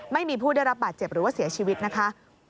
ไม่มีผู้ได้รับบาดเจ็บหรือว่าเสียชีวิตนะคะ